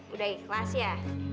udah ikhlas ya